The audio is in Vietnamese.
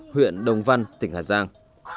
huyện đồng văn tỉnh hà giang